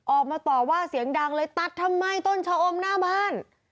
ออกมาต่อว่าเสียงดังเลยตัดทำไมต้นชะอมหน้าบ้าน